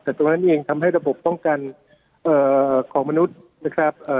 แต่ตรงนั้นเองทำให้ระบบป้องกันของมนุษย์นะครับ